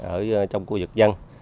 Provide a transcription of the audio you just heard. ở trong khu vực dân